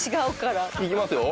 いきますよ！